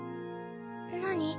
何？